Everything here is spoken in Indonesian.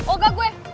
oh gak gue